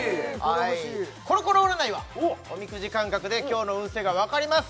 コロコロ占いはおみくじ感覚で今日の運勢がわかります